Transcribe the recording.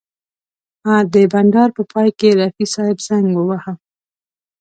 د بنډار په پای کې رفیع صاحب زنګ وواهه.